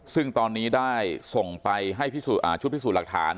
ซึ่งตอนนี้ได้ส่งไปให้ชุดพิสูจน์หลักฐาน